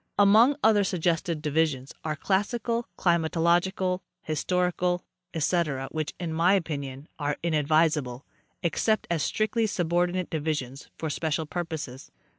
Among other suggested divisions are classical, climatological, historical, ete, which, in my opinion, are inadvisable, except as strictly subordinate divisions for special purposes.